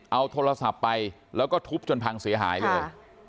เอาโทรศัพท์ไปแล้วก็ทุบจนพังเสียหายเลย